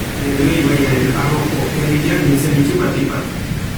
Nerbioi ibaiaren arroko herriak biltzen ditu batik bat.